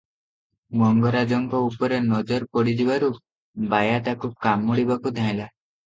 ମଙ୍ଗରାଜଙ୍କ ଉପରେ ନଜର ପଡ଼ିଯିବାରୁ ବାୟା ତାକୁ କାମୁଡ଼ିବାକୁ ଧାଇଁଲା ।